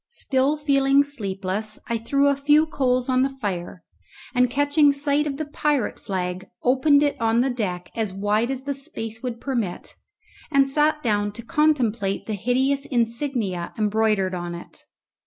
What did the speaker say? Still feeling sleepless, I threw a few coals on the fire, and catching sight of the pirate flag opened it on the deck as wide as the space would permit, and sat down to contemplate the hideous insignia embroidered on it.